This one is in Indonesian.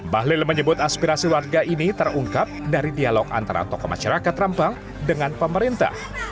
bahlil menyebut aspirasi warga ini terungkap dari dialog antara tokoh masyarakat rempang dengan pemerintah